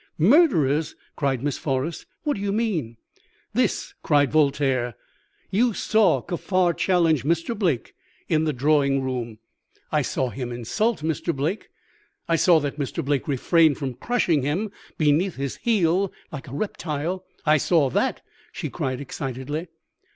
"'Murderers!' cried Miss Forrest. 'What do you mean?' "'This!' cried Voltaire. 'You saw Kaffar challenge Mr. Blake in the drawing room?' "'I saw him insult Mr. Blake. I saw that Mr. Blake refrained from crushing him beneath his heel like a reptile. I saw that!' she cried excitedly.